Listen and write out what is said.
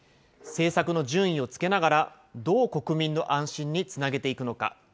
政策の順位をつけながらどう国民の安心につなげていくのか。